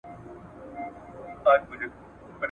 یو ځل بیا دي په پنجاب کي زلزله سي !.